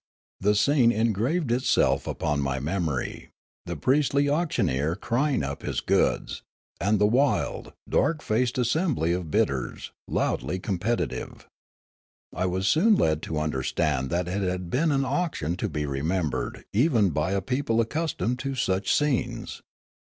The scene engraved itself upon my memor}', the priestly auctioneer crying up his goods, and the wild, dark faced assembly of bidders, loudly competitive. I was soon led to understand that it had been an auction to be remembered even b}' a people accustomed to such scenes.